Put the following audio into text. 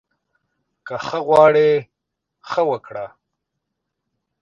که ښه غواړې، ښه وکړه